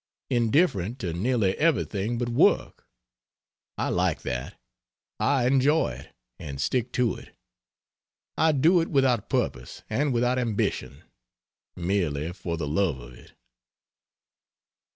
Indifferent to nearly everything but work. I like that; I enjoy it, and stick to it. I do it without purpose and without ambition; merely for the love of it.